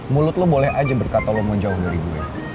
mulut lo boleh aja berkata lo mau jauh dari gue